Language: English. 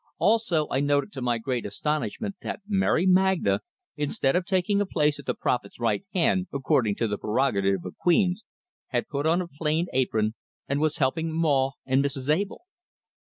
Also, I noted to my great astonishment that Mary Magna, instead of taking a place at the prophet's right hand, according to the prerogative of queens, had put on a plain apron and was helping "Maw" and Mrs. Abell.